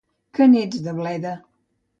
Que n'ets de bleda!